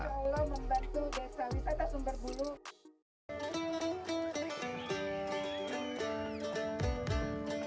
tuhan yang membantu desa wisata sumber bulu